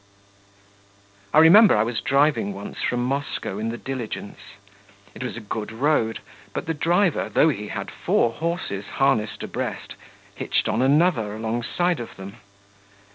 I remember I was driving once from Moscow in the diligence. It was a good road, but the driver, though he had four horses harnessed abreast, hitched on another, alongside of them.